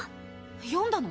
読んだの？